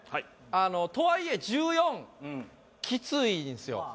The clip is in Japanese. あのとはいえ１４キツいんですよ